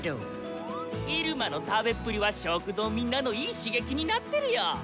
イルマの食べっぷりは食堂みんなのいい刺激になってるヨ！